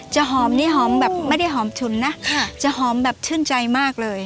หอมนี่หอมแบบไม่ได้หอมฉุนนะจะหอมแบบชื่นใจมากเลย